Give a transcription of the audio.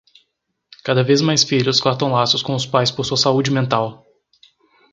Cada vez mais filhos cortam laços com os pais por sua saúde mental